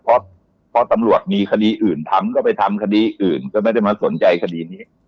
เพราะพอตำรวจมีคดีอื่นทำก็ไปทำคดีอื่นก็ไม่ได้มาสนใจคดีนี้